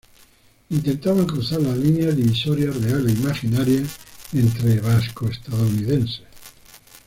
Intentaban cruzar la línea divisoria, real e imaginaria, entre vasco-estadounidenses.